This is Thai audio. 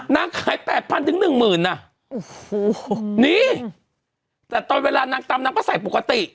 นางขาย๘๐๐๐ถึง๑๐๐๐๐น่ะนี่แต่ตอนเวลานางตำนางก็ใส่ปกติ